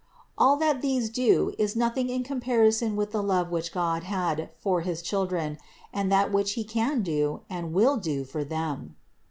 All that these do is nothing in comparison with the love which God had for his children, and that which He can do and will do for them.